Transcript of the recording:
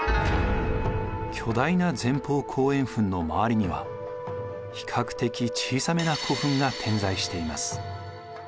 巨大な前方後円墳の周りには比較的小さめな古墳が点在しています。